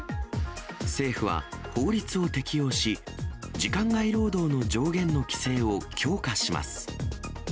政府は法律を適用し、時間外労働の上限の規制を強化します。